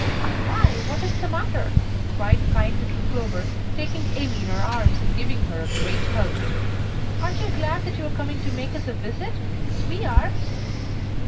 "Why, what is the matter?" cried kind little Clover, taking Amy in her arms, and giving her a great hug. "Aren't you glad that you are coming to make us a visit? We are."